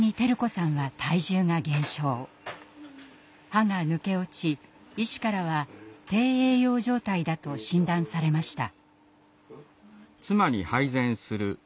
歯が抜け落ち医師からは低栄養状態だと診断されました。